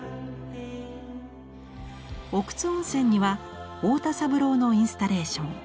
奥津温泉には太田三郎のインスタレーション